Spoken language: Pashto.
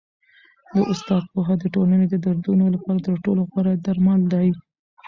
د استاد پوهه د ټولني د دردونو لپاره تر ټولو غوره درمل دی.